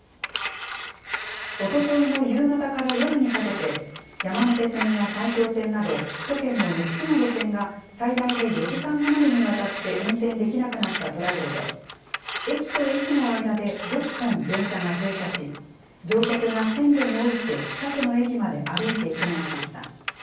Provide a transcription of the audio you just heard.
おとといの夕方から夜にかけて、山手線や埼京線など首都圏の６つの路線が、最大で４時間余りにわたって運転できなくなったトラブルで、駅と駅の間で６本電車が停車し、乗客が線路に降りて近くの駅まで歩いて避難しました。